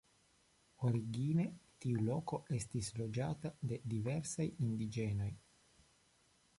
Origine tiu loko estis loĝata de diversaj indiĝenoj.